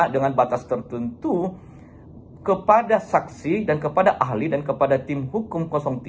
dengan batas tertentu kepada saksi dan kepada ahli dan kepada tim hukum tiga